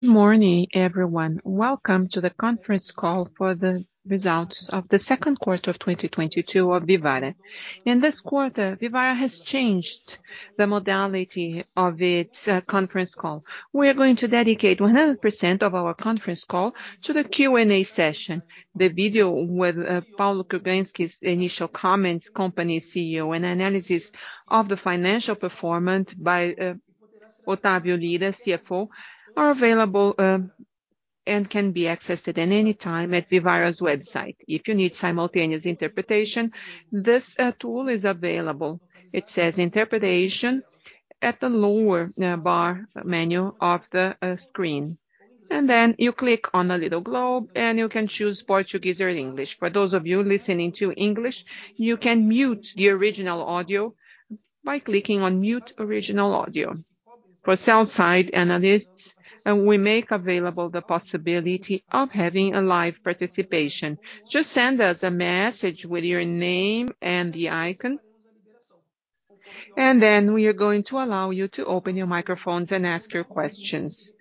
Good morning, everyone. Welcome to the conference call for the results of the second quarter of 2022 of Vivara. In this quarter, Vivara has changed the modality of its conference call. We're going to dedicate 100% of our conference call to the Q&A session. The video with Paulo Kruglensky's initial comment, company CEO, and analysis of the financial performance by Otávio Lyra, CFO, are available and can be accessed at any time at Vivara's website. If you need simultaneous interpretation, this tool is available. It says Interpretation at the lower bar menu of the screen. Then you click on the little globe, and you can choose Portuguese or English. For those of you listening to English, you can mute the original audio by clicking on Mute Original Audio. For sell-side analysts, and we make available the possibility of having a live participation. Just send us a message with your name and the icon. We are going to allow you to open your microphones and ask your questions.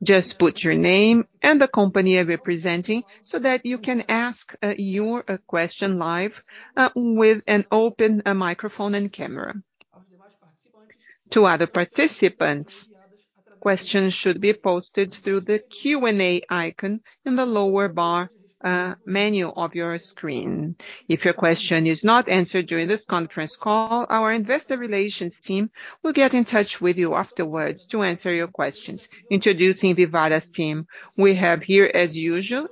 Just put your name and the company you're representing so that you can ask your question live with an open microphone and camera. To other participants, questions should be posted through the Q&A icon in the lower bar menu of your screen. If your question is not answered during this conference call, our investor relations team will get in touch with you afterwards to answer your questions. Introducing Vivara's team. We have here, as usual,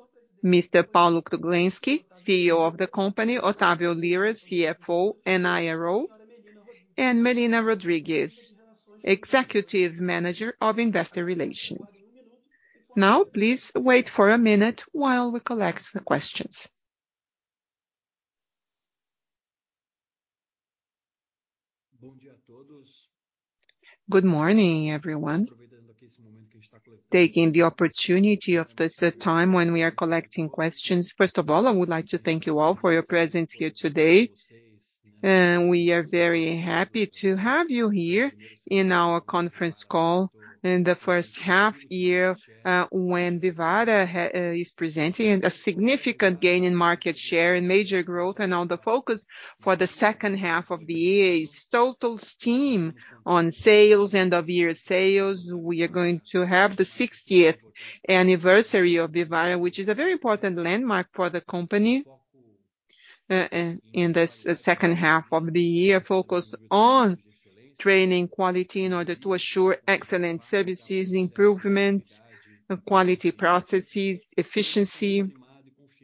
Mr. Paulo Kruglensky, CEO of the company, Otávio Lyra, CFO and IRO, and Melina Rodrigues, Executive Manager of Investor Relations. Now, please wait for a minute while we collect the questions. Good morning, everyone. Taking the opportunity of this time when we are collecting questions, first of all, I would like to thank you all for your presence here today. We are very happy to have you here in our conference call in the first half year, when Vivara is presenting a significant gain in market share and major growth. Now the focus for the second half of the year is total steam on sales, end of year sales. We are going to have the 60th anniversary of Vivara, which is a very important landmark for the company. In this second half of the year, focused on training quality in order to assure excellent services, improvement of quality processes, efficiency.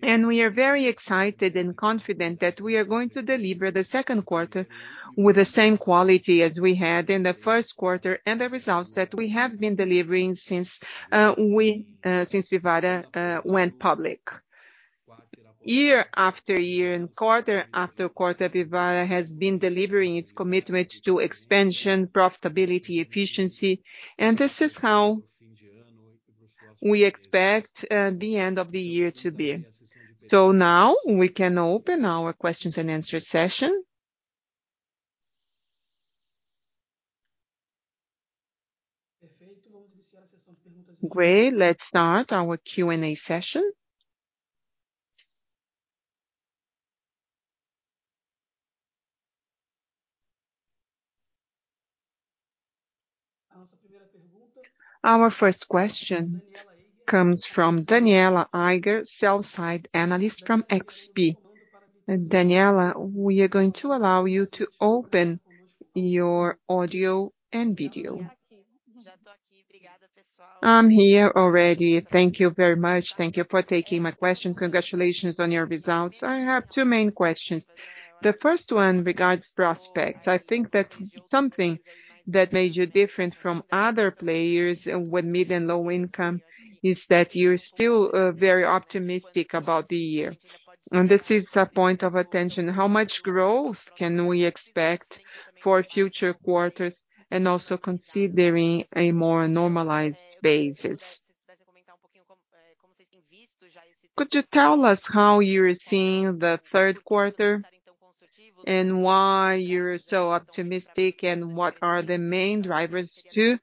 We are very excited and confident that we are going to deliver the second quarter with the same quality as we had in the first quarter and the results that we have been delivering since Vivara went public. Year after year and quarter after quarter, Vivara has been delivering its commitment to expansion, profitability, efficiency, and this is how we expect the end of the year to be. Now we can open our questions and answer session. Great. Let's start our Q&A session. Our first question comes from Danniela Eiger, Sell-Side Analyst from XP. Danniela, we are going to allow you to open your audio and video. I'm here already. Thank you very much. Thank you for taking my question. Congratulations on your results. I have two main questions. The first one regards prospects. I think that something that made you different from other players with mid and low income is that you're still very optimistic about the year. This is a point of attention. How much growth can we expect for future quarters and also considering a more normalized basis? Could you tell us how you're seeing the third quarter and why you're so optimistic and what are the main drivers to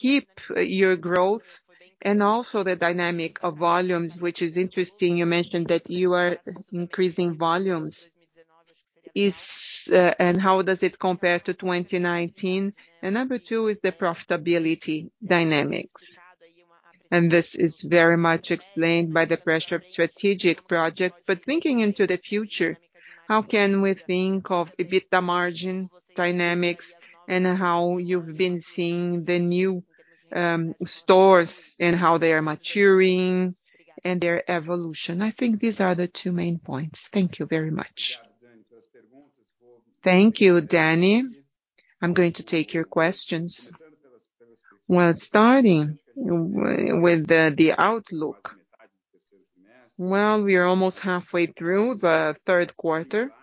keep your growth and also the dynamic of volumes, which is interesting. You mentioned that you are increasing volumes. How does it compare to 2019? Number two is the profitability dynamics. This is very much explained by the pressure of strategic projects. Thinking into the future, how can we think of EBITDA margin dynamics and how you've been seeing the new stores and how they are maturing and their evolution? I think these are the two main points. Thank you very much. Thank you, Dani. I'm going to take your questions. Well, starting with the outlook. Well, we are almost halfway through the third quarter.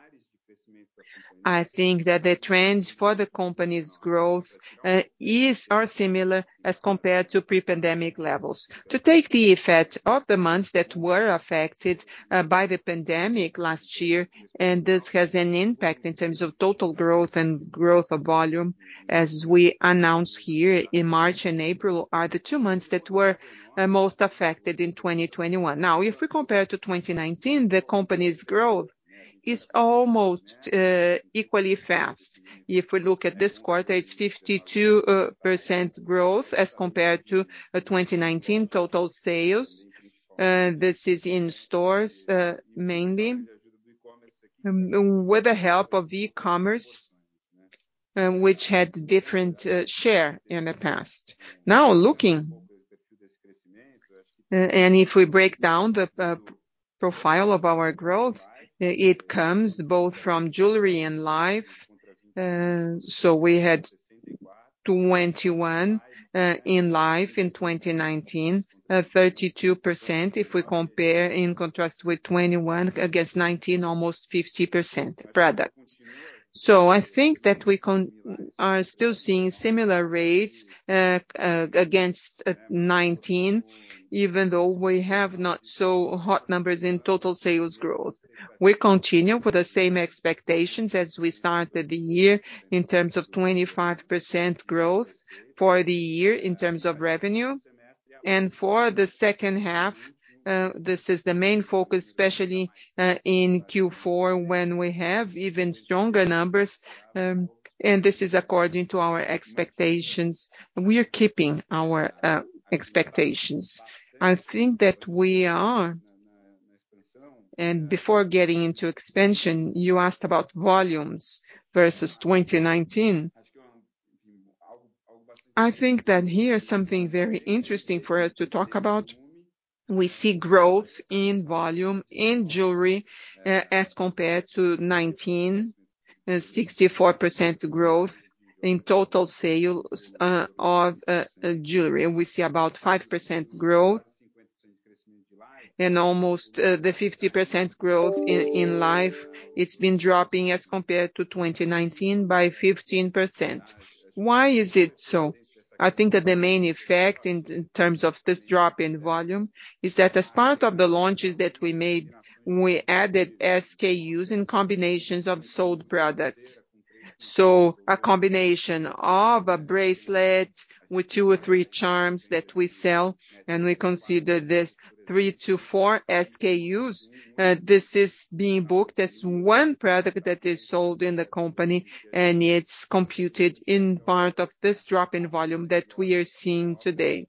I think that the trends for the company's growth are similar as compared to pre-pandemic levels. To take the effect of the months that were affected by the pandemic last year, and this has an impact in terms of total growth and growth of volume, as we announced here in March and April are the two months that were most affected in 2021. Now, if we compare to 2019, the company's growth is almost equally fast. If we look at this quarter, it's 52% growth as compared to 2019 total sales. This is in stores, mainly. With the help of e-commerce, which had different share in the past. Now looking, and if we break down the profile of our growth, it comes both from jewelry and Life. So we had 21% in Life in 2019. 32% if we compare in contrast with 2021 against 2019, almost 50% product. So I think that we are still seeing similar rates against 2019, even though we have not so hot numbers in total sales growth. We continue with the same expectations as we started the year in terms of 25% growth for the year in terms of revenue. For the second half, this is the main focus, especially in Q4 when we have even stronger numbers. This is according to our expectations. We are keeping our expectations. I think that we are. Before getting into expansion, you asked about volumes versus 2019. I think that here is something very interesting for us to talk about. We see growth in volume in jewelry as compared to 2019. 64% growth in total sales of jewelry. We see about 5% growth and almost the 50% growth in Life. It's been dropping as compared to 2019 by 15%. Why is it so? I think that the main effect in terms of this drop in volume is that as part of the launches that we made, we added SKUs and combinations of sold products. A combination of a bracelet with two or three charms that we sell, and we consider this three to four SKUs. This is being booked as one product that is sold in the company, and it's computed in part of this drop in volume that we are seeing today.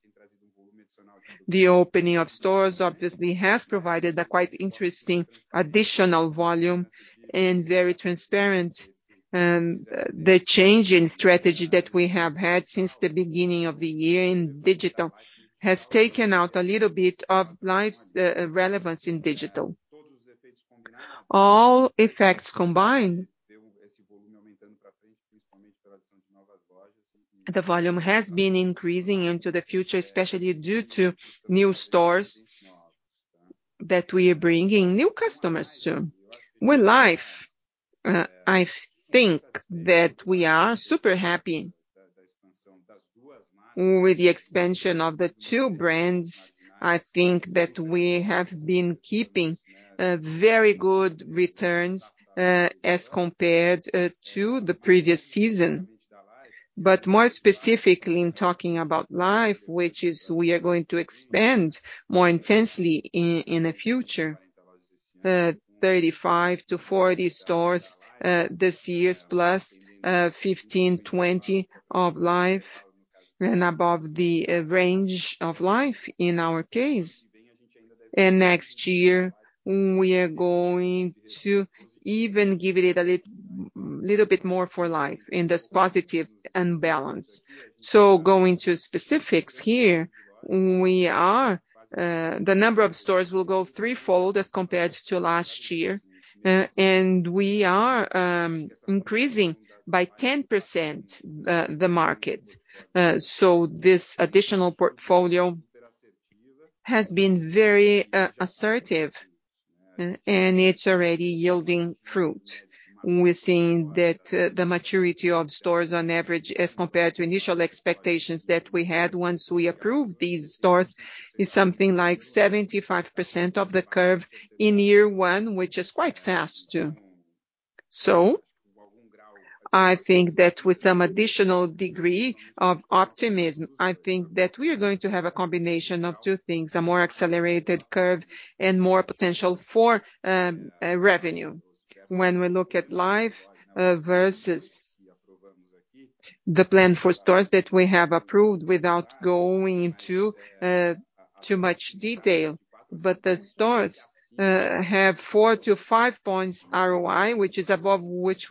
The opening of stores obviously has provided a quite interesting additional volume and very transparent. The change in strategy that we have had since the beginning of the year in digital has taken out a little bit of Life's relevance in digital. All effects combined, the volume has been increasing into the future, especially due to new stores that we are bringing new customers to. With Life, I think that we are super happy with the expansion of the two brands. I think that we have been keeping very good returns as compared to the previous season. More specifically in talking about Life, which is we are going to expand more intensely in the future. 35-40 stores this year, plus 15-20 of Life and above the range of Life in our case. Next year, we are going to even give it a little bit more for Life in this positive and balanced. Going to specifics here, the number of stores will go threefold as compared to last year. We are increasing by 10% the market. This additional portfolio has been very assertive, and it's already yielding fruit. We're seeing that the maturity of stores on average as compared to initial expectations that we had once we approved these stores is something like 75% of the curve in year one, which is quite fast too. I think that with some additional degree of optimism, I think that we are going to have a combination of two things, a more accelerated curve and more potential for revenue. When we look at Life versus the plan for stores that we have approved without going into too much detail. The stores have four to five points ROI, which is above what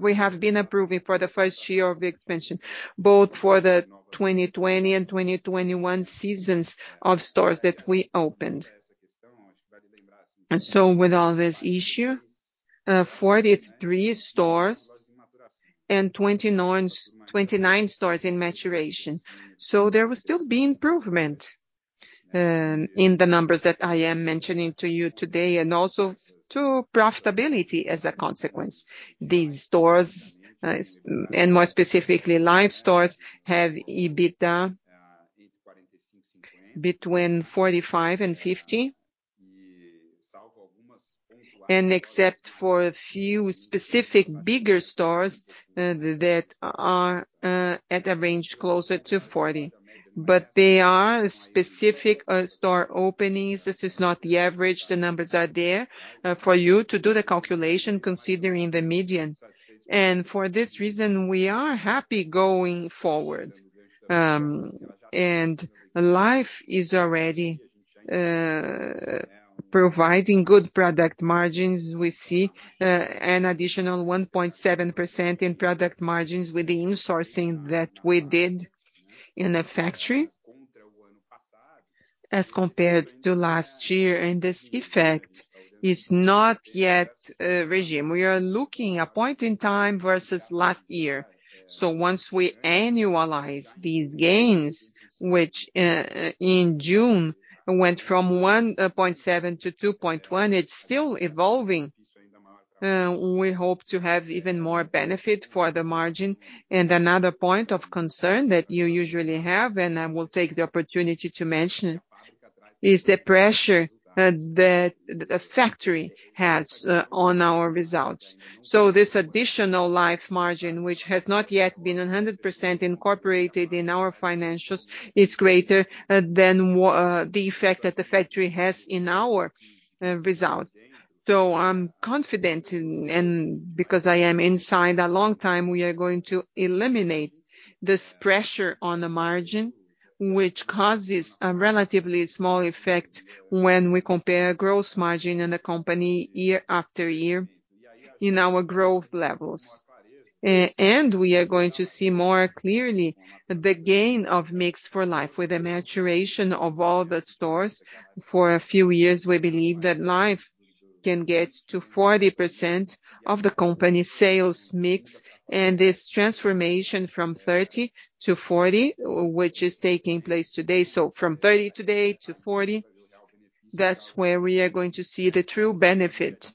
we have been approving for the first year of the expansion, both for the 2020 and 2021 seasons of stores that we opened. With all this issue, 43 stores and 29 stores in maturation. There will still be improvement in the numbers that I am mentioning to you today, and also to profitability as a consequence. These stores, and more specifically Life stores, have EBITDA between 45% and 50%. Except for a few specific bigger stores that are at a range closer to 40. They are specific store openings. It is not the average. The numbers are there for you to do the calculation considering the median. For this reason, we are happy going forward. Life is already providing good product margins. We see an additional 1.7% in product margins with the insourcing that we did in the factory as compared to last year. This effect is not yet regime. We are looking at a point in time versus last year. Once we annualize these gains, which in June went from 1.7-2.1, it's still evolving. We hope to have even more benefit for the margin. Another point of concern that you usually have, and I will take the opportunity to mention, is the pressure that the factory has on our results. This additional Life margin, which has not yet been 100% incorporated in our financials, is greater than what the effect that the factory has in our result. I'm confident and because I am inside a long time, we are going to eliminate this pressure on the margin, which causes a relatively small effect when we compare gross margin in the company year after year in our growth levels. We are going to see more clearly the gain of mix for Life with the maturation of all the stores. For a few years, we believe that Life can get to 40% of the company sales mix and this transformation from 30%-40%, which is taking place today. From 30% today to 40%, that's where we are going to see the true benefit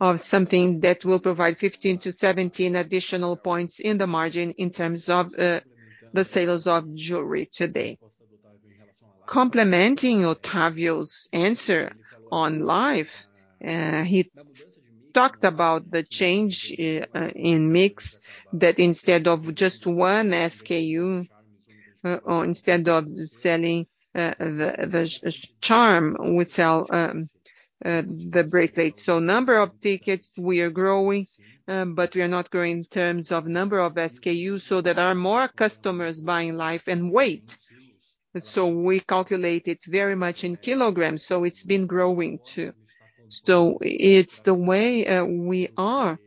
of something that will provide 15-17 additional points in the margin in terms of the sales of jewelry today. Complementing Otavio's answer on Life, he talked about the change in mix that instead of just one SKU, or instead of selling the charm, we sell the bracelet. Number of tickets, we are growing, but we are not growing in terms of number of SKUs, so there are more customers buying Life and weight. We calculate it very much in kilograms, so it's been growing too. It's the way we are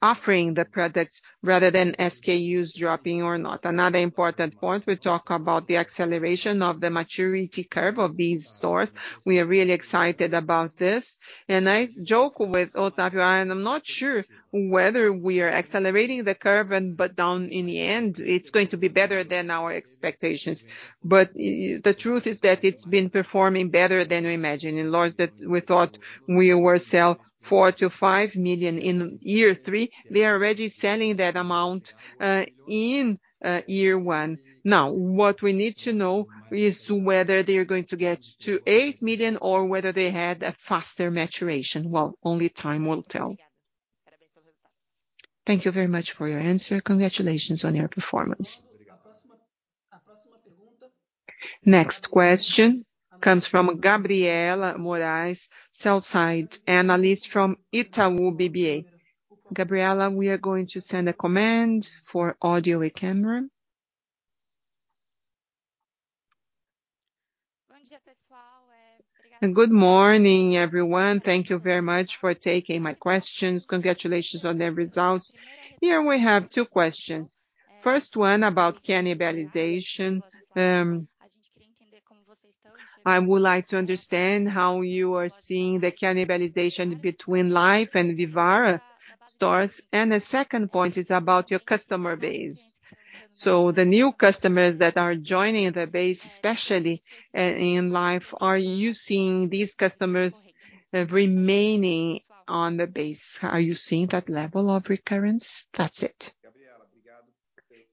offering the products rather than SKUs dropping or not. Another important point, we talk about the acceleration of the maturity curve of these stores. We are really excited about this. I joke with Otávio, and I'm not sure whether we are accelerating the curve, but in the end, it's going to be better than our expectations. But the truth is that it's been performing better than we imagined. Initially, we thought we would sell 4 million-5 million in year three. We are already selling that amount in year one. Now, what we need to know is whether they are going to get to 8 million or whether they had a faster maturation. Well, only time will tell. Thank you very much for your answer. Congratulations on your performance. Next question comes from Gabriela Morais, Sell-Side Analyst from Itaú BBA. Gabriela, we are going to send a command for audio and camera. Good morning, everyone. Thank you very much for taking my questions. Congratulations on the results. Here we have two questions. First one about cannibalization. I would like to understand how you are seeing the cannibalization between Life and Vivara stores. The second point is about your customer base. The new customers that are joining the base, especially in Life, are you seeing these customers remaining on the base? Are you seeing that level of recurrence? That's it.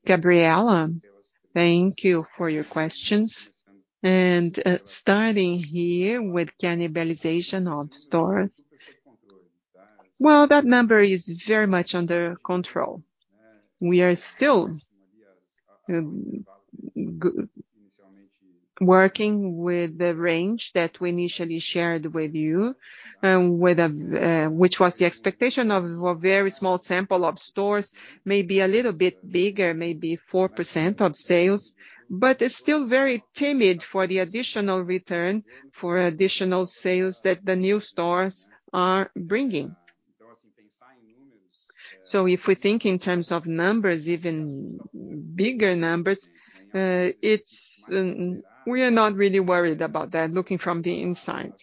Gabriela, thank you for your questions. Starting here with cannibalization of stores. Well, that number is very much under control. We are still working with the range that we initially shared with you, with a view, which was the expectation of a very small sample of stores, maybe a little bit bigger, maybe 4% of sales. It's still very timid for the additional return, for additional sales that the new stores are bringing. If we think in terms of numbers, even bigger numbers, we are not really worried about that looking from the inside.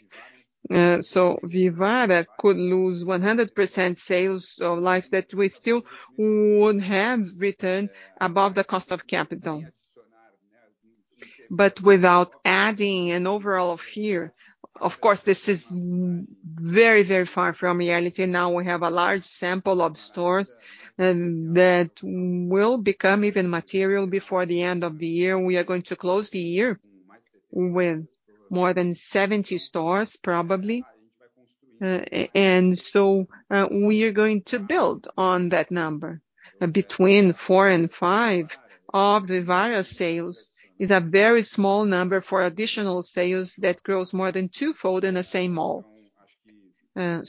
Vivara could lose 100% sales of Life that we still would have returned above the cost of capital. Without adding an overall fear, of course, this is very, very far from reality. Now we have a large sample of stores and that will become even material before the end of the year. We are going to close the year with more than 70 stores, probably. We are going to build on that number. Between 4% and 5% of Vivara sales is a very small number for additional sales that grows more than twofold in the same mall. I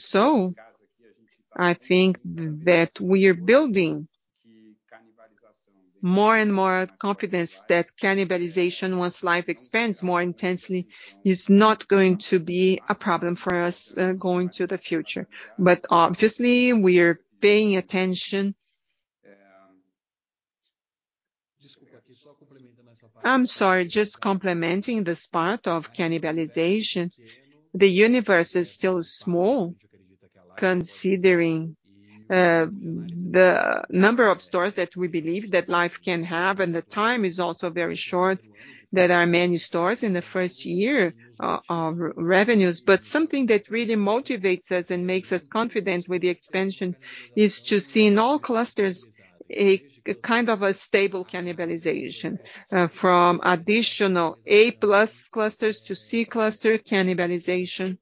think that we are building more and more confidence that cannibalization once Life expands more intensely is not going to be a problem for us, going into the future. Obviously, we are paying attention. I'm sorry, just complementing this part of cannibalization. The universe is still small considering the number of stores that we believe that Life can have, and the time is also very short that our many stores in the first year of revenues. Something that really motivates us and makes us confident with the expansion is to see in all clusters a kind of a stable cannibalization, from additional A plus clusters to C cluster cannibalization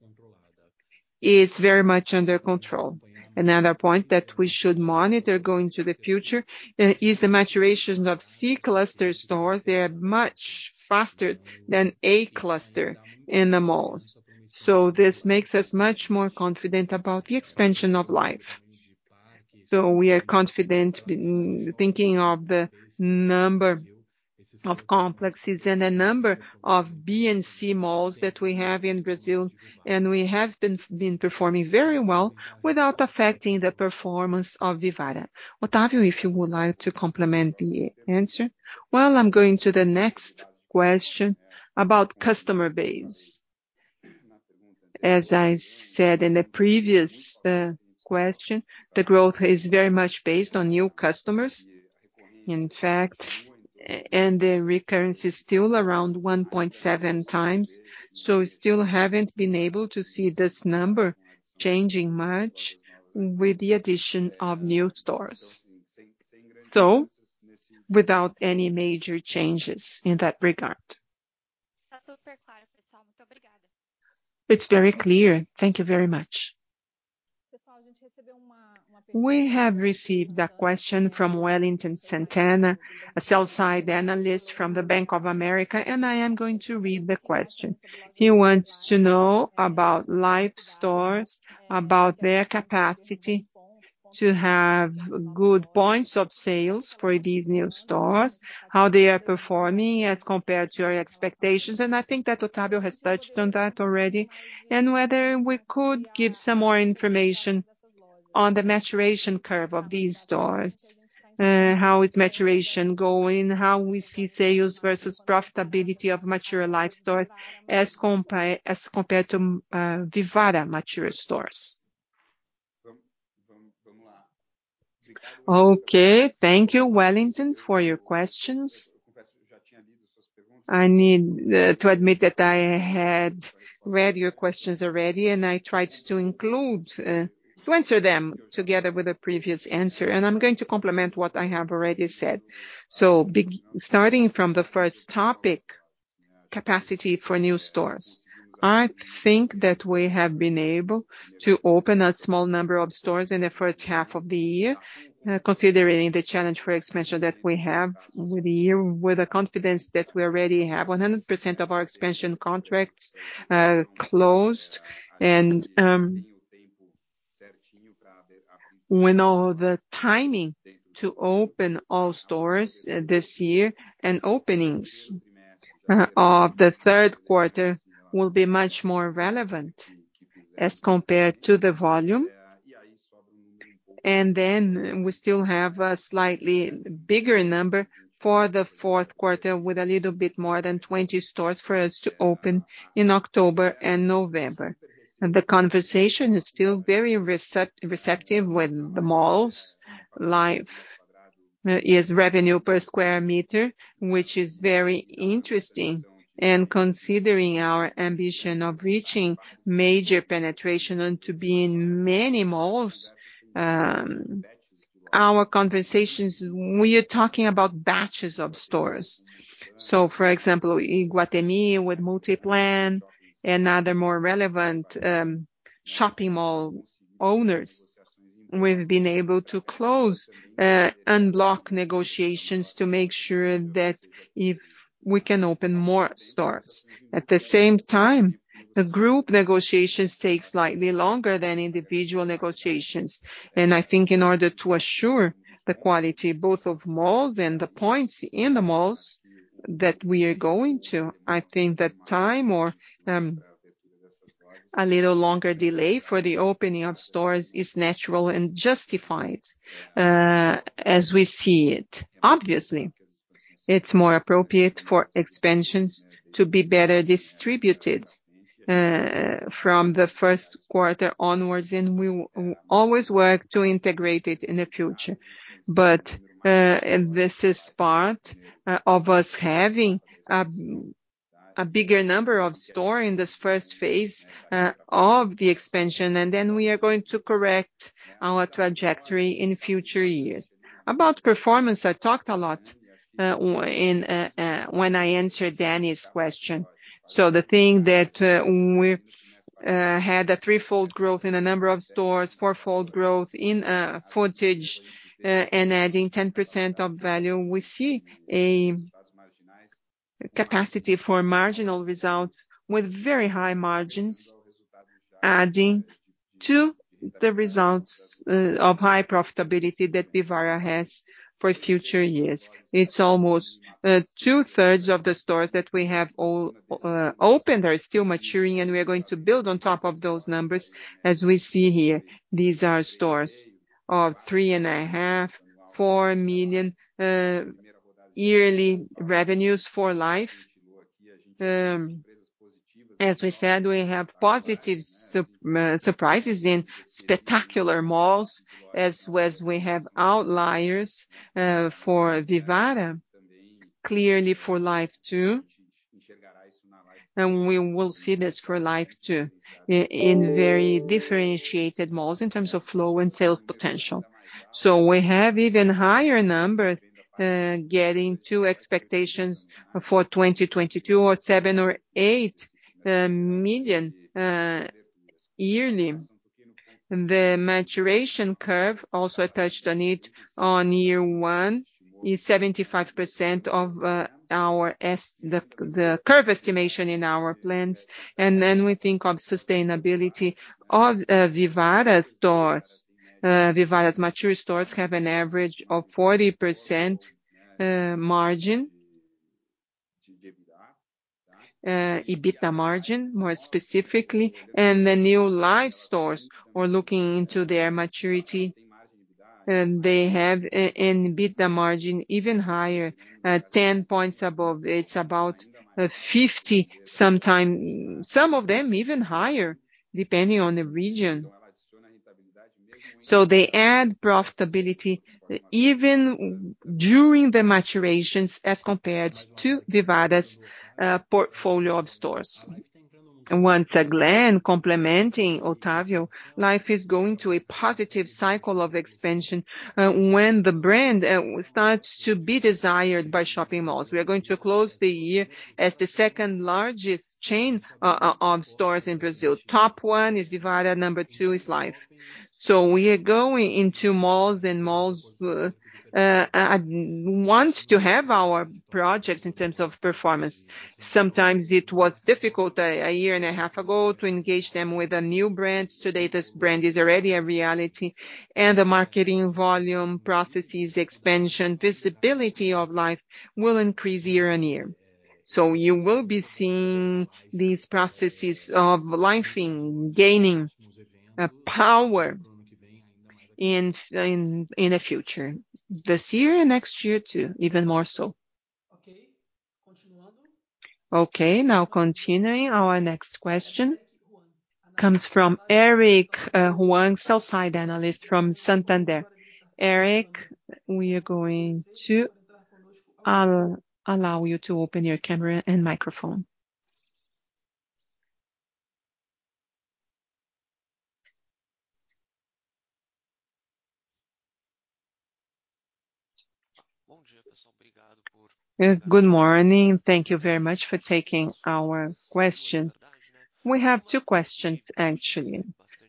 is very much under control. Another point that we should monitor going into the future is the maturation of C cluster store. They are much faster than A cluster in the malls. This makes us much more confident about the expansion of Life. We are confident by thinking of the number of complexes and the number of B and C malls that we have in Brazil, and we have been performing very well without affecting the performance of Vivara. Otavio, if you would like to complement the answer. Well, I'm going to the next question about customer base. As I said in the previous question, the growth is very much based on new customers, in fact, and the recurrence is still around 1.7x. We still haven't been able to see this number changing much with the addition of new stores. Without any major changes in that regard. It's very clear. Thank you very much. We have received a question from Wellington Santana, a sell-side analyst from Bank of America, and I am going to read the question. He wants to know about Life stores, about their capacity to have good points of sale for these new stores, how they are performing as compared to your expectations, and I think that Otavio has touched on that already. Whether we could give some more information on the maturation curve of these stores, how is maturation going, how we see sales versus profitability of mature Life stores as compared to, Vivara mature stores. Okay, thank you, Wellington, for your questions. I need to admit that I had read your questions already, and I tried to include to answer them together with a previous answer. I'm going to complement what I have already said. Starting from the first topic, capacity for new stores. I think that we have been able to open a small number of stores in the first half of the year, considering the challenge for expansion that we have with the year, with the confidence that we already have 100% of our expansion contracts, closed. We know the timing to open all stores this year, and openings of the third quarter will be much more relevant as compared to the volume. We still have a slightly bigger number for the fourth quarter with a little bit more than 20 stores for us to open in October and November. The conversation is still very receptive with the malls. Life is revenue per square meter, which is very interesting. Considering our ambition of reaching major penetration and to be in many malls, our conversations, we are talking about batches of stores. For example, in Iguatemi with Multiplan and other more relevant shopping mall owners, we've been able to close, unlock negotiations to make sure that if we can open more stores. At the same time, the group negotiations take slightly longer than individual negotiations. I think in order to assure the quality both of malls and the points in the malls that we are going to, I think that a little longer delay for the opening of stores is natural and justified, as we see it. Obviously, it's more appropriate for expansions to be better distributed from the first quarter onwards, and we always work to integrate it in the future. This is part of us having a bigger number of stores in this first phase of the expansion, and then we are going to correct our trajectory in future years. About performance, I talked a lot when I answered Dani's question. The thing that we had a threefold growth in a number of stores, fourfold growth in footage, and adding 10% of value, we see a capacity for marginal result with very high margins adding to the results of high profitability that Vivara has for future years. It's almost 2/3 of the stores that we have all opened are still maturing, and we are going to build on top of those numbers as we see here. These are stores of 3.5 million, 4 million yearly revenues for Life. As we said, we have positive surprises in spectacular malls as well as we have outliers for Vivara, clearly for Life too. We will see this for Life too in very differentiated malls in terms of flow and sales potential. We have even higher number getting to expectations for 2022 or 7 or 8 million yearly. The maturation curve also touched on it on year one. It's 75% of the curve estimation in our plans. Then we think of sustainability of Vivara stores. Vivara's mature stores have an average of 40% margin. EBITDA margin, more specifically. The new Life stores, we're looking into their maturity, and they have an EBITDA margin even higher, 10 points above. It's about 50%, some of them even higher, depending on the region. They add profitability even during the maturations as compared to Vivara's portfolio of stores. Once again, complementing Otavio, Life is going to a positive cycle of expansion when the brand starts to be desired by shopping malls. We are going to close the year as the second-largest chain of stores in Brazil. Top one is Vivara, number two is Life. We are going into malls, and malls want to have our projects in terms of performance. Sometimes it was difficult a year and a half ago to engage them with the new brands. Today, this brand is already a reality, and the marketing volume, processes, expansion, visibility of Life will increase year-on-year. You will be seeing these processes of Life in gaining power in the future. This year and next year too, even more so. Okay, now continuing our next question comes from Eric Huang, sell-side analyst from Santander. Eric, we are going to allow you to open your camera and microphone. Good morning. Thank you very much for taking our question. We have two questions, actually.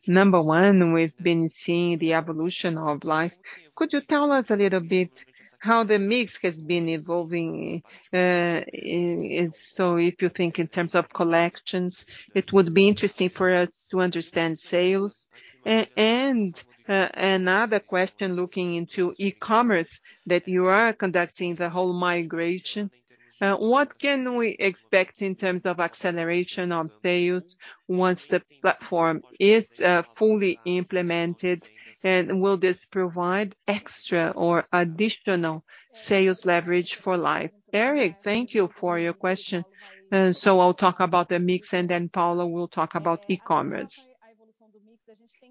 Number one, we've been seeing the evolution of Life. Could you tell us a little bit how the mix has been evolving. So if you think in terms of collections, it would be interesting for us to understand sales. And another question looking into e-commerce that you are conducting the whole migration. What can we expect in terms of acceleration on sales once the platform is fully implemented? And will this provide extra or additional sales leverage for Life? Eric, thank you for your question. So I'll talk about the mix, and then Paulo will talk about e-commerce.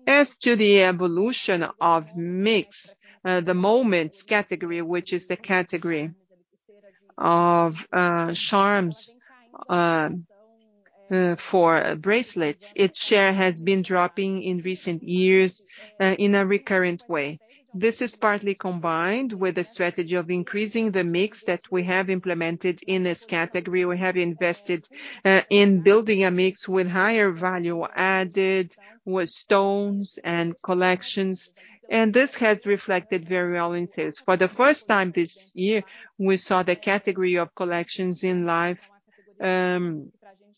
As to the evolution of mix, the Moments category, which is the category of charms for bracelets, its share has been dropping in recent years, in a recurrent way. This is partly combined with a strategy of increasing the mix that we have implemented in this category. We have invested in building a mix with higher value added with stones and collections, and this has reflected very well in sales. For the first time this year, we saw the category of Life Coleções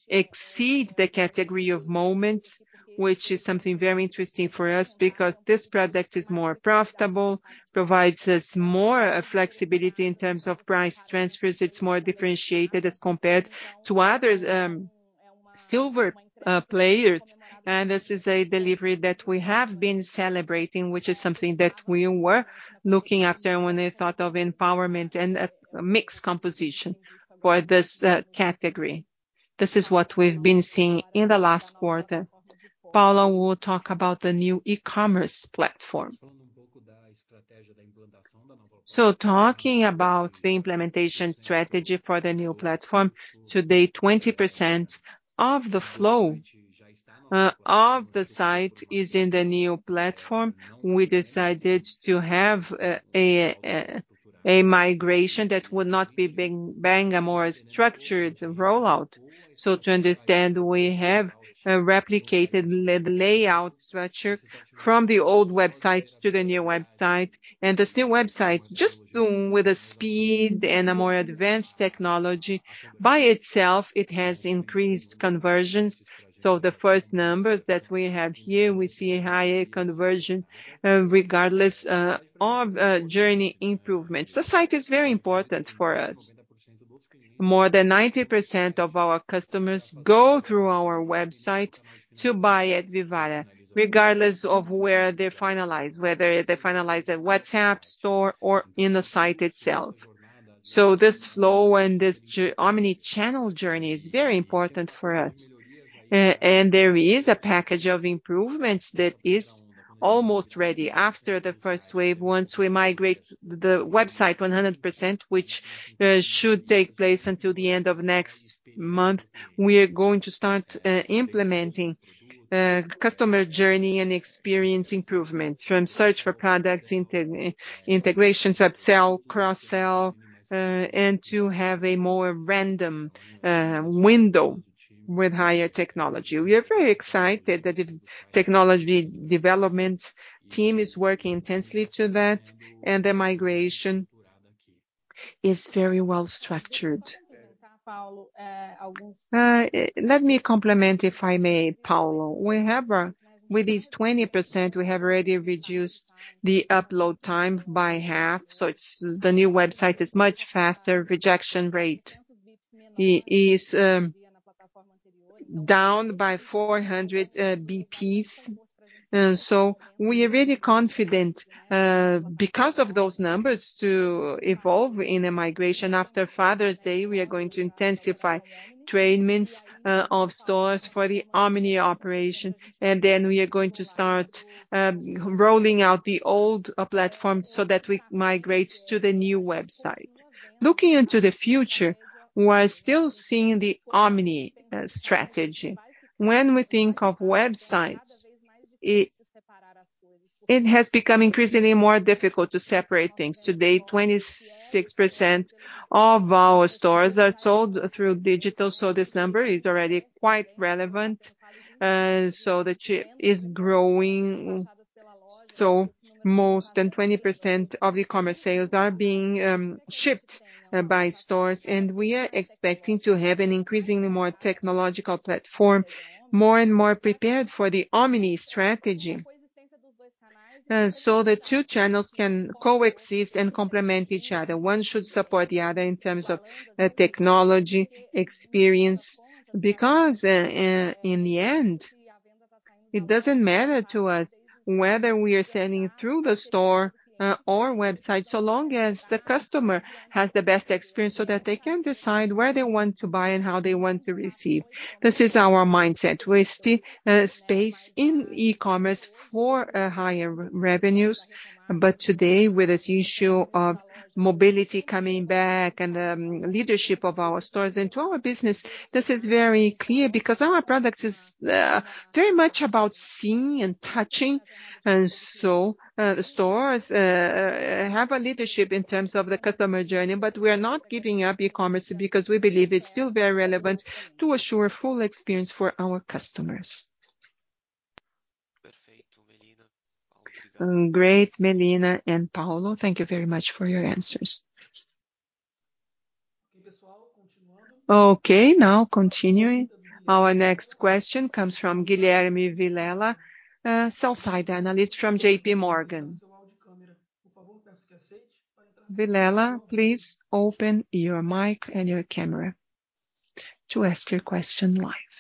exceed the category of Life Moments, which is something very interesting for us because this product is more profitable, provides us more flexibility in terms of price transfers. It's more differentiated as compared to others, Silver players. This is a delivery that we have been celebrating, which is something that we were looking after when we thought of empowerment and a mixed composition for this category. This is what we've been seeing in the last quarter. Paulo will talk about the new e-commerce platform. Talking about the implementation strategy for the new platform. To date, 20% of the flow of the site is in the new platform. We decided to have a migration that would not be bang, a more structured rollout. To understand, we have a replicated lay-layout structure from the old website to the new website. This new website, just doing with the speed and a more advanced technology. By itself, it has increased conversions. The first numbers that we have here, we see a higher conversion, regardless of journey improvements. The site is very important for us. More than 90% of our customers go through our website to buy at Vivara, regardless of where they finalize. Whether they finalize at WhatsApp store or in the site itself. This flow and this omni-channel journey is very important for us. There is a package of improvements that is almost ready. After the first wave, once we migrate the website 100%, which should take place until the end of next month, we are going to start implementing customer journey and experience improvement. From search for product integrations, upsell, cross-sell, and to have a more random window with higher technology. We are very excited that the technology development team is working intensely to that, and the migration is very well structured. Let me complement, if I may, Paulo. We have, with this 20%, we have already reduced the upload time by half, so it's the new website is much faster. Rejection rate is down by 400 BPS. We are really confident because of those numbers to enable a migration. After Father's Day, we are going to intensify trainings of stores for the omni-operation, and then we are going to start rolling out the old platform so that we migrate to the new website. Looking into the future, we are still seeing the omni strategy. When we think of websites, it has become increasingly more difficult to separate things. Today, 26% of our sales are through digital, so this number is already quite relevant. The mix is growing. More than 20% of e-commerce sales are being shipped by stores, and we are expecting to have an increasingly more technological platform, more and more prepared for the omni strategy. The two channels can coexist and complement each other. One should support the other in terms of technology experience. Because in the end, it doesn't matter to us whether we are selling through the store or website, so long as the customer has the best experience so that they can decide where they want to buy and how they want to receive. This is our mindset. We see space in e-commerce for higher revenues. Today, with this issue of mobility coming back and leadership of our stores into our business, this is very clear because our product is very much about seeing and touching. The stores have a leadership in terms of the customer journey. We are not giving up e-commerce because we believe it's still very relevant to assure full experience for our customers. Great, Melina and Paulo. Thank you very much for your answers. Okay, now continuing. Our next question comes from Guilherme Vilela, Sell-Side Analyst from JPMorgan. Vilela, please open your mic and your camera to ask your question live.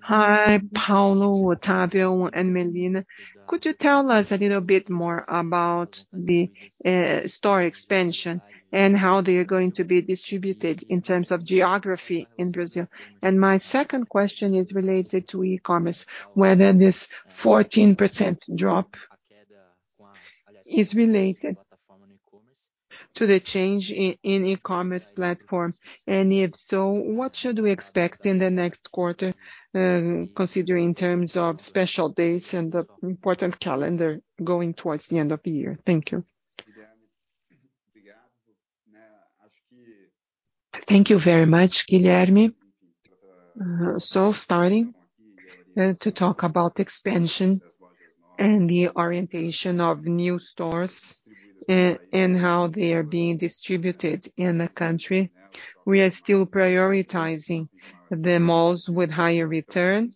Hi, Paulo, Otávio, and Melina. Could you tell us a little bit more about the store expansion and how they are going to be distributed in terms of geography in Brazil? And my second question is related to e-commerce, whether this 14% drop is related to the change in e-commerce platform. And if so, what should we expect in the next quarter, considering terms of special dates and the important calendar going towards the end of the year? Thank you. Thank you very much, Guilherme. Starting to talk about expansion and the orientation of new stores, and how they are being distributed in the country. We are still prioritizing the malls with higher return.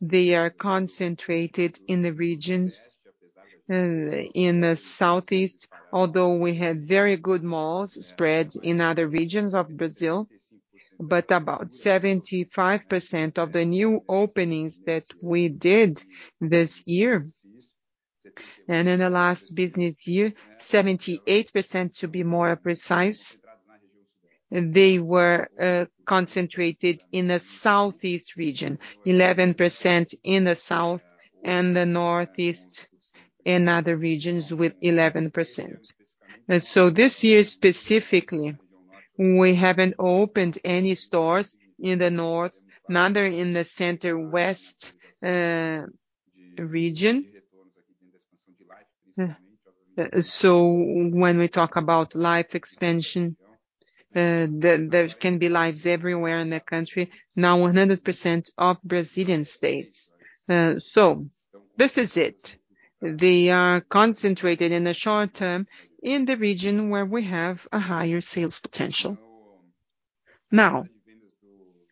They are concentrated in the regions in the southeast, although we have very good malls spread in other regions of Brazil. About 75% of the new openings that we did this year and in the last business year, 78% to be more precise, they were concentrated in the southeast region. 11% in the south and the northeast and other regions with 11%. This year specifically, we haven't opened any stores in the north, neither in the center west region. When we talk about Life expansion, there can be Lives everywhere in the country, in 100% of Brazilian states. This is it. They are concentrated in the short term in the region where we have a higher sales potential. Now,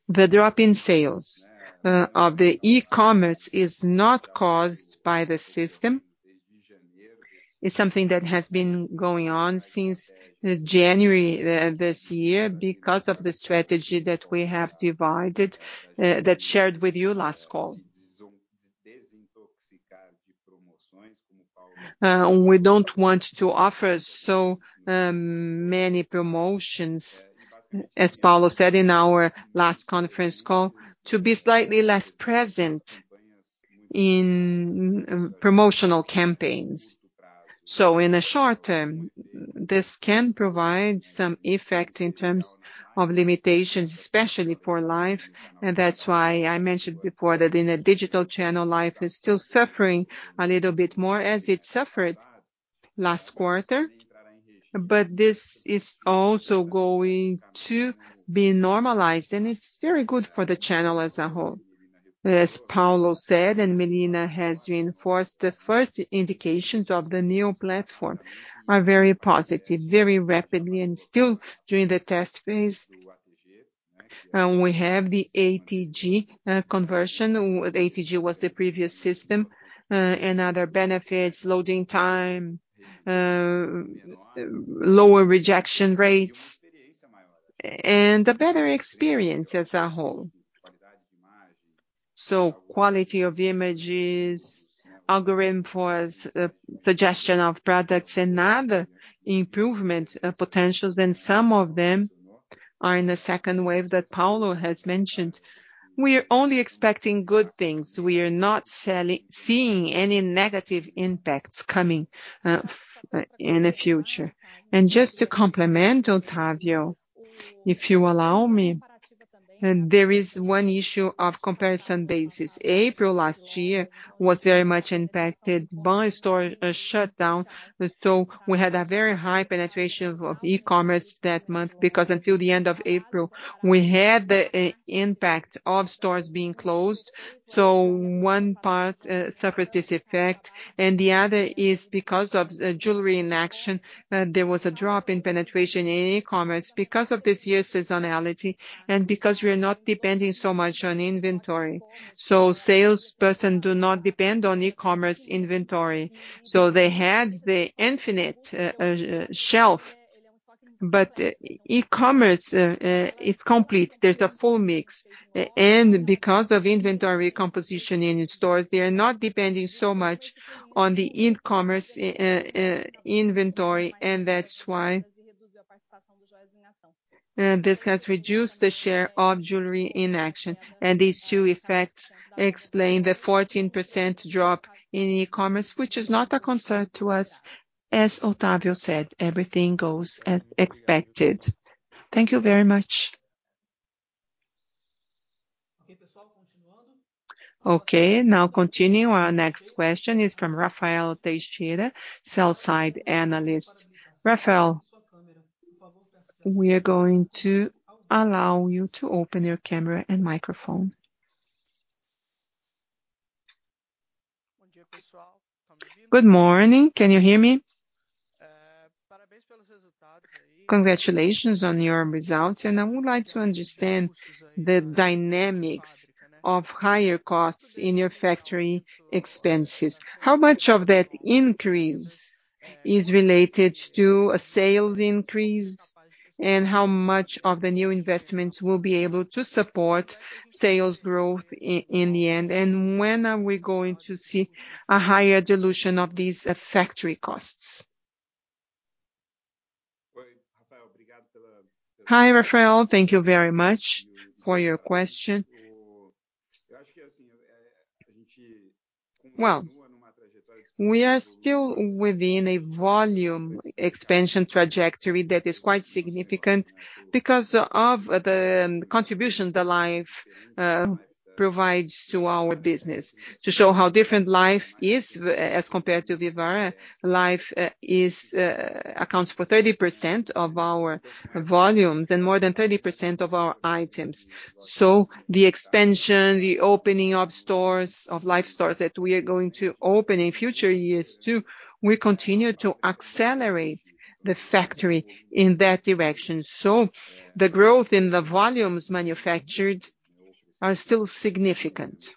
the drop in sales of the e-commerce is not caused by the system. It's something that has been going on since January this year because of the strategy that we shared with you last call. We don't want to offer so many promotions, as Paulo said in our last conference call, to be slightly less present in promotional campaigns. In the short term, this can provide some effect in terms of limitations, especially for life. That's why I mentioned before that in a digital channel, life is still suffering a little bit more as it suffered last quarter. This is also going to be normalized, and it's very good for the channel as a whole. As Paulo said, and Melina has reinforced, the first indications of the new platform are very positive, very rapidly, and still during the test phase. We have the ATG conversion. ATG was the previous system, and other benefits, loading time, lower rejection rates and a better experience as a whole. Quality of images, algorithm for suggestion of products and other improvement potentials, and some of them are in the second wave that Paulo has mentioned. We are only expecting good things. We are not seeing any negative impacts coming in the future. Just to complement, Otavio, if you allow me, and there is one issue of comparison basis. April last year was very much impacted by store shutdown. We had a very high penetration of e-commerce that month because until the end of April, we had the impact of stores being closed. One part suffered this effect, and the other is because of Joia em Ação. There was a drop in penetration in e-commerce because of this year's seasonality and because we are not depending so much on inventory. Salespeople do not depend on e-commerce inventory. They had the infinite shelf. But e-commerce is complete. There's a full mix. Because of inventory composition in stores, they are not depending so much on the e-commerce inventory, and that's why this has reduced the share of Joia em Ação. These two effects explain the 14% drop in e-commerce, which is not a concern to us. As Otavio said, everything goes as expected. Thank you very much. Okay, now continue. Our next question is from Rafael Teixeira, Sell-Side Analyst. Rafael, we are going to allow you to open your camera and microphone. Good morning. Can you hear me? Congratulations on your results. I would like to understand the dynamic of higher costs in your factory expenses. How much of that increase is related to a sales increase, and how much of the new investments will be able to support sales growth in the end? When are we going to see a higher dilution of these factory costs? Hi, Rafael. Thank you very much for your question. Well, we are still within a volume expansion trajectory that is quite significant because of the contribution the Life provides to our business. To show how different Life is as compared to Vivara, Life accounts for 30% of our volume and more than 30% of our items. The expansion, the opening of stores, of Life stores that we are going to open in future years too, we continue to accelerate the factory in that direction. The growth in the volumes manufactured are still significant.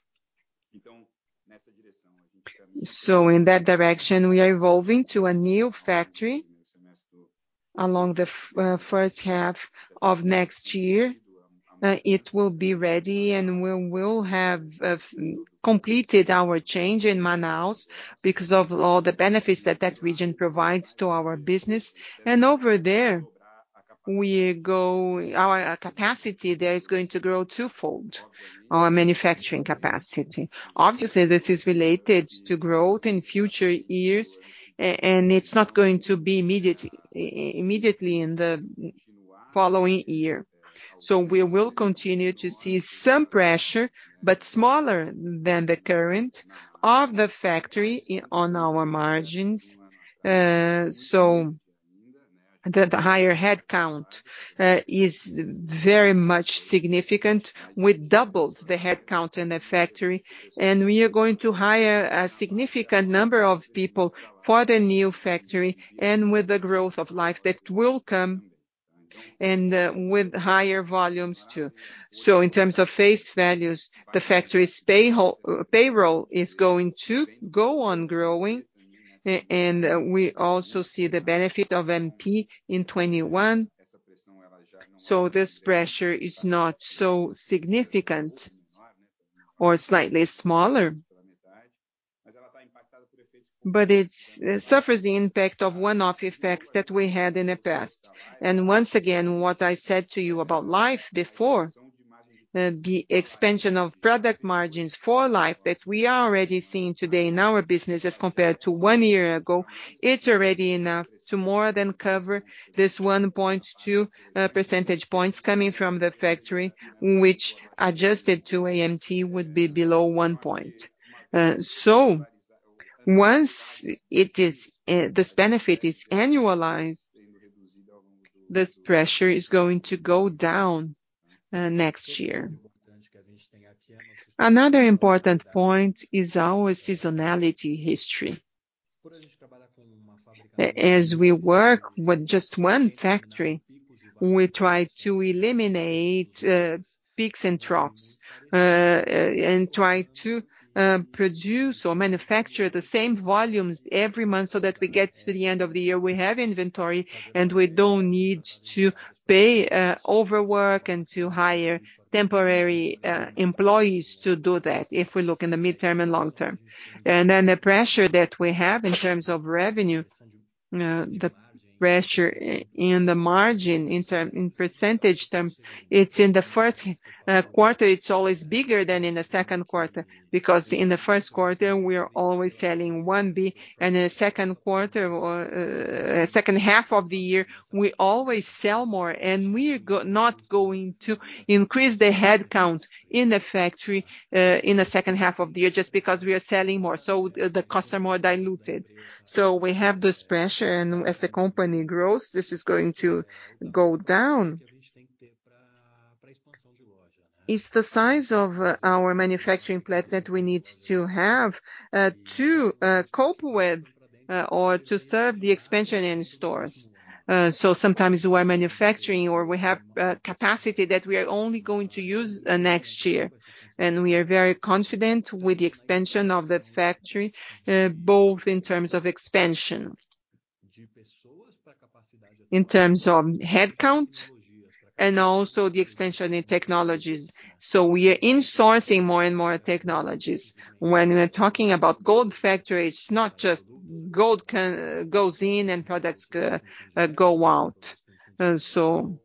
In that direction, we are evolving to a new factory in the first half of next year. It will be ready and we will have completed our change in Manaus because of all the benefits that that region provides to our business. Over there, our capacity there is going to grow twofold, our manufacturing capacity. Obviously, that is related to growth in future years, and it's not going to be immediately in the following year. We will continue to see some pressure, but smaller than the current one of the factory on our margins. The higher headcount is very much significant. We doubled the headcount in the factory, and we are going to hire a significant number of people for the new factory and with the growth of life that will come and, with higher volumes too. In terms of face values, the factory's payroll is going to go on growing. We also see the benefit of MP in 2021. This pressure is not so significant or slightly smaller. It suffers the impact of one-off effect that we had in the past. Once again, what I said to you about life before, the expansion of product margins for life that we are already seeing today in our business as compared to one year ago, it's already enough to more than cover this 1.2 percentage points coming from the factory, which adjusted to AMT would be below one point. Once this benefit is annualized, this pressure is going to go down next year. Another important point is our seasonality history. As we work with just one factory, we try to eliminate peaks and troughs and try to produce or manufacture the same volumes every month so that we get to the end of the year, we have inventory, and we don't need to pay overtime and to hire temporary employees to do that if we look in the medium-term and long term. The pressure that we have in terms of revenue, the pressure in the margin in percentage terms, it's in the first quarter, it's always bigger than in the second quarter. Because in the first quarter, we are always selling 1 B, and in the second quarter or second half of the year, we always sell more. We are not going to increase the headcount in the factory in the second half of the year just because we are selling more. The costs are more diluted. We have this pressure, and as the company grows, this is going to go down. It's the size of our manufacturing plant that we need to have to cope with or to serve the expansion in stores. Sometimes we are manufacturing or we have capacity that we are only going to use next year. We are very confident with the expansion of the factory both in terms of expansion. In terms of headcount and also the expansion in technologies. We are insourcing more and more technologies. When we're talking about gold factory, it's not just gold goes in and products go out. So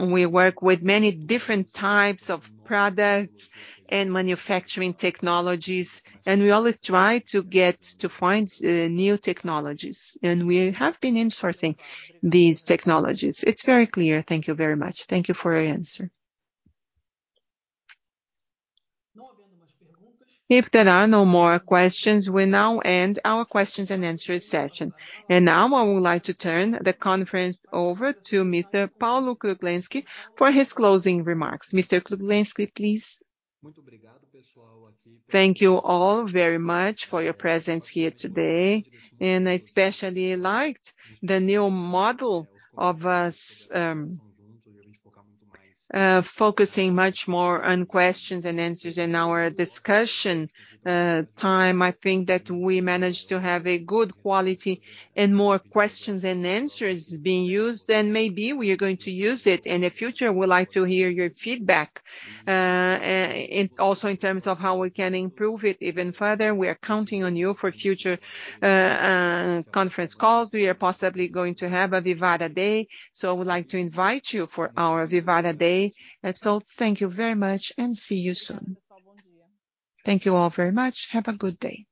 we work with many different types of products and manufacturing technologies, and we always try to find new technologies. We have been insourcing these technologies. It's very clear. Thank you very much. Thank you for your answer. If there are no more questions, we now end our questions and answer session. Now I would like to turn the conference over to Mr. Paulo Kruglensky for his closing remarks. Mr. Kruglensky, please. Thank you all very much for your presence here today. I especially liked the new model of us focusing much more on questions and answers in our discussion time. I think that we managed to have a good quality and more questions and answers being used, and maybe we are going to use it in the future. We'd like to hear your feedback. Also in terms of how we can improve it even further. We are counting on you for future conference calls. We are possibly going to have a Vivara Day, so I would like to invite you for our Vivara Day as well. Thank you very much and see you soon. Thank you all very much. Have a good day.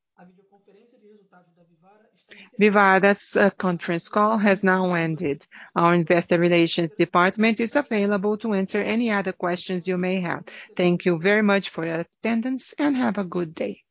Vivara's conference call has now ended. Our investor relations department is available to answer any other questions you may have. Thank you very much for your attendance, and have a good day.